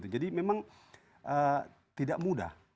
jadi memang tidak mudah